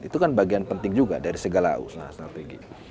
itu kan bagian penting juga dari segala usaha strategi